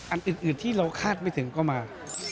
อันอื่นที่เราคาดไม่ถึงก็มา